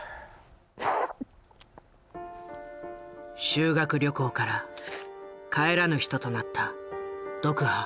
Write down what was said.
修学旅行から帰らぬ人となったドクハ。